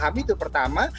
kami itu pertama